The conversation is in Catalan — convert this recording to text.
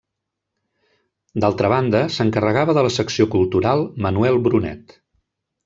D'altra banda, s'encarregava de la secció cultural Manuel Brunet.